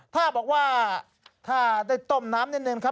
ถ้าบอกว่าถ้าได้ต้มน้ำนิดนึงครับ